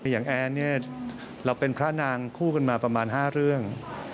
อย่างแอนเนี่ยเราเป็นพระนางคู่กันมาประมาณ๕เรื่อง